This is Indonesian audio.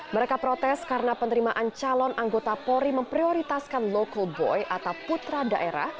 mereka protes karena penerimaan calon anggota polri memprioritaskan local boy atau putra daerah